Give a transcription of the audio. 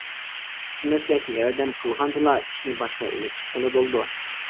«ئۈچ مەسلەك» ياردەم قىلغاندىلا ئىشنى باشقا ئېلىپ چىققىلى بولىدۇ.